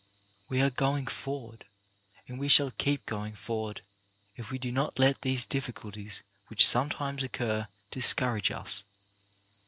We are going forward, and we shall keep going forward if we do not let these difficulties which sometimes occur discourage us.